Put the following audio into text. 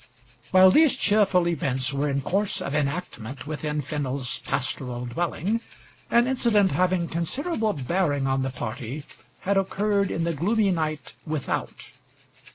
While these cheerful events were in course of enactment within Fennel's pastoral dwelling, an incident having considerable bearing on the party had occurred in the gloomy night without.